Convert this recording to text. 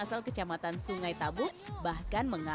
makin banyak wisatawan yang datang